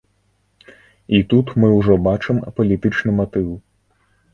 І тут мы ўжо бачым палітычны матыў.